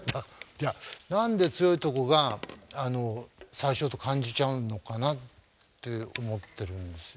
では何で強いとこが最初と感じちゃうのかなって思ってるんですよ。